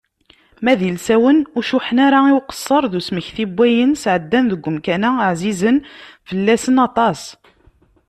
Ma d ilsawen ur cuḥḥen ara i uqesser d usmeki n wayen sɛeddan deg umkan-a ɛzizen fell-asen aṭas.